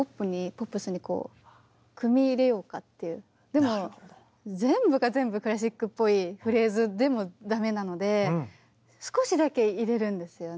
でも全部が全部クラシックっぽいフレーズでも駄目なので少しだけ入れるんですよね。